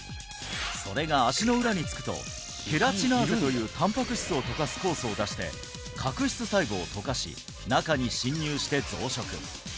それが足の裏につくとケラチナーゼというたんぱく質を溶かす酵素を出して角質細胞を溶かし中に侵入して増殖